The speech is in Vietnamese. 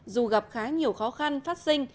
dù gặp khá nhiều khó khăn phát sinh